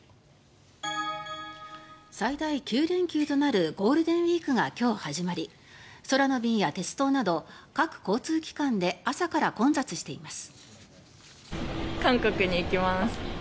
最大９連休となるゴールデンウィークが今日始まり空の便や鉄道など各交通機関などで朝から混雑しています。